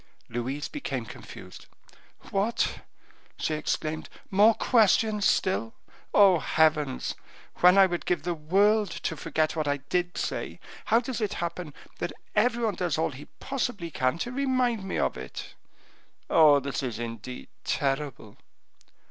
Louise became confused. "What," she exclaimed, "more questions still! Oh, heavens! when I would give the world to forget what I did say, how does it happen that every one does all he possibly can to remind me of it? Oh, this is indeed terrible!"